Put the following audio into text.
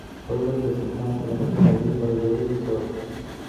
هغوی راته د سلطان صلاح الدین ایوبي په اړه جالبه کیسه وکړه.